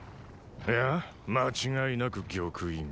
いや間違いなく玉印。